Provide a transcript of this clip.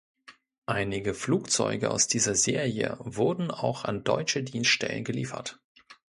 Einige Flugzeuge aus dieser Serie wurden auch an deutsche Dienststellen geliefert.